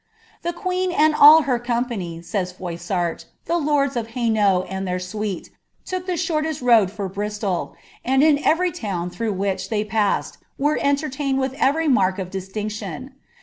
^ The queen and all her company," says Froissart, the Ionic ^ Hainault and their suite, look ihe shortest road for Bristol, and in t*vj town through which they passed were entertained wiih every muka distinction.